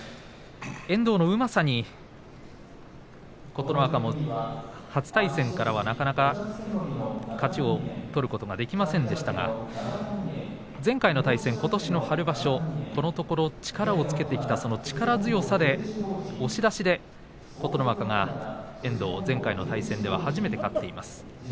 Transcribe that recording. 遠藤のうまさに琴ノ若も初対戦からなかなか勝ちを取ることができませんでしたが前回の対戦、ことしの春場所このところ力をつけてきたその力強さで押し出しで琴ノ若が遠藤に対して初めて勝っています。